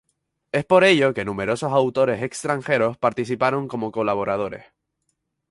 Es por ello que numerosos autores extranjeros participaron como colaboradores.